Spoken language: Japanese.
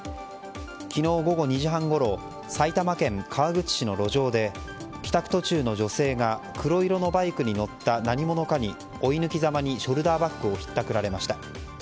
昨日午後２時半ごろ埼玉県川口市の路上で帰宅途中の女性が黒色のバイクに乗った何者かに追い抜きざまにショルダーバッグをひったくられました。